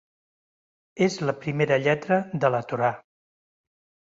És la primera lletra de la Torà.